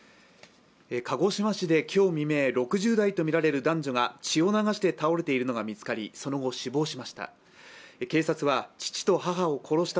鹿児島市で今日未明、６０代とみられる男女が血を流して倒れているのが見つかり、その後死亡しました。